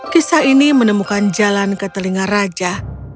kisah ini menemukan jalan ke telinga raja